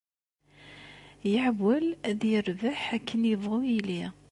Iɛewwel ad yerbeḥ, akken yebɣu yili.